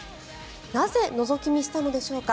なぜのぞき見したのでしょうか。